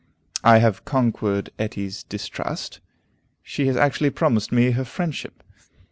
I have conquered Etty's distrust; she has actually promised me her friendship.